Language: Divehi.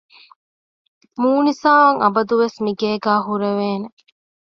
މޫނިސާ އަށް އަބަދުވެސް މިގޭގައި ހުރެވޭނެ